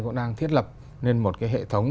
cũng đang thiết lập nên một cái hệ thống